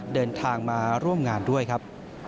เดินทางมาร่วมงานด้วยครับ